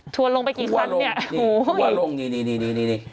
ทุวลงไปกี่ชั้นเนี่ย